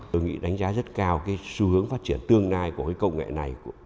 tôi nghĩ đánh giá rất cao cái xu hướng phát triển tương lai của cái công nghệ này